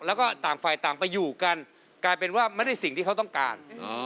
แล้วก็ต่างฝ่ายต่างไปอยู่กันกลายเป็นว่าไม่ได้สิ่งที่เขาต้องการ